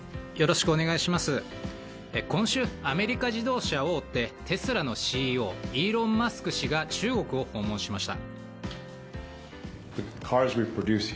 今週、アメリカ自動車大手テスラのＣＥＯイーロン・マスク氏が中国を訪問しました。